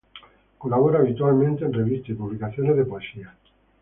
Colabora habitualmente en revista y publicaciones de poesía.